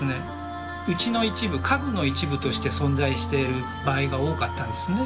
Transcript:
うちの一部家具の一部として存在している場合が多かったんですね。